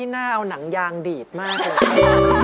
น่าเอาหนังยางดีดมากเลย